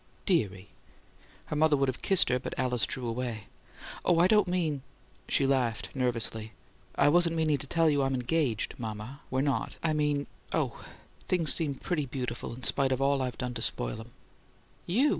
"Dearie!" Her mother would have kissed her, but Alice drew away. "Oh, I don't mean " She laughed nervously. "I wasn't meaning to tell you I'm ENGAGED, mama. We're not. I mean oh! things seem pretty beautiful in spite of all I've done to spoil 'em." "You?"